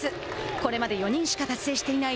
これまで４人しか達成していない